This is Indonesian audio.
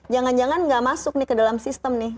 jangan jangan nggak masuk nih ke dalam sistem nih